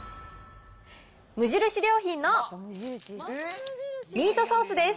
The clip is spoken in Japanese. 無印良品のミートソースです。